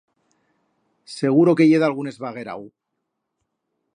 Seguro que ye d'algún esvaguerau.